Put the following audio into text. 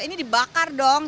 ini dibakar dong